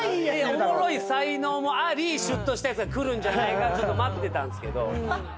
おもろい才能もありしゅっとしたやつがくるんじゃないかって待ってたんすけど。